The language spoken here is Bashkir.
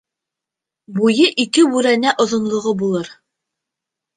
Буйы ике бүрәнә оҙонлоғо булыр.